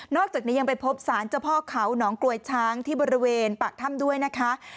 อกจากนี้ยังไปพบสารเจ้าพ่อเขาหนองกลวยช้างที่บริเวณปากถ้ำด้วยนะคะ